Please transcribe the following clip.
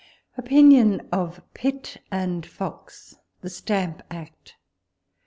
OPINIOX OF PITT AND FOX— THE STAMP ACT.